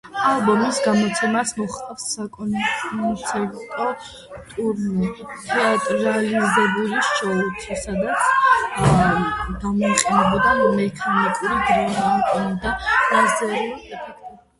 ალბომის გამოცემას მოჰყვა საკონცერტო ტურნე, თეატრალიზებული შოუთი, სადაც გამოიყენებოდა მექანიკური დრაკონი და ლაზერული ეფექტები.